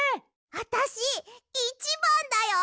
あたしいちばんだよ！